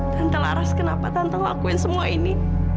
tante laras kenapa tante lakuin semua ini